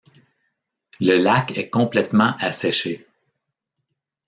Le lac est complètement asséché.